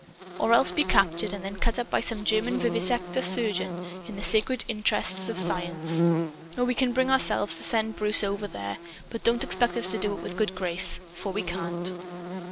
Or else to be captured and then cut up by some German vivisector surgeon in the sacred interests of Science! Oh, we can bring ourselves to send Bruce over there! But don't expect us to do it with a good grace. For we can't."